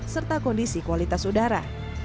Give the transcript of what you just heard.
serta kondisi kualitas udara